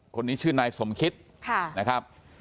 คนนี้ชื่อนายสมคิดนะครับ